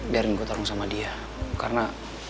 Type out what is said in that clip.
biarin gue tarung sama dia karena